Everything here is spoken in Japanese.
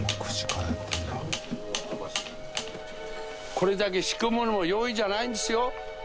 これだけ仕込むのも容易じゃないんですよ。